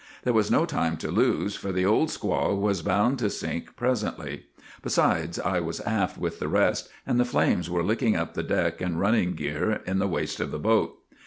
There was no time to lose, for the Old Squaw was bound to sink presently. Besides, I was aft with the rest, and the flames were licking up the deck and running gear in the waist of the boat.